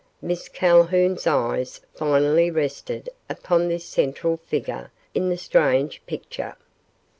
Miss Calhoun's eyes finally rested upon this central figure in the strange picture.